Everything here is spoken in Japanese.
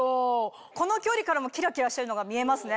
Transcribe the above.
この距離からもキラキラしてるのが見えますね。